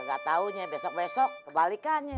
nggak tahunya besok besok kebalikannya